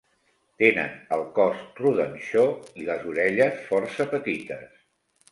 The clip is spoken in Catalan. Tenen el cos rodanxó i les orelles força petites.